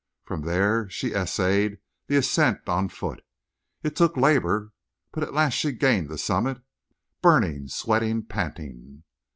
From there she essayed the ascent on foot. It took labor. But at last she gained the summit, burning, sweating, panting.